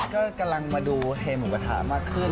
ก็กำลังมาดูเทหมูกระทะมากขึ้น